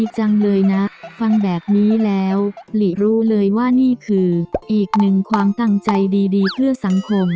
จังเลยนะฟังแบบนี้แล้วหลีรู้เลยว่านี่คืออีกหนึ่งความตั้งใจดีเพื่อสังคม